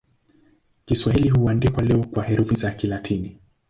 Kiswahili huandikwa leo kwa herufi za Kilatini.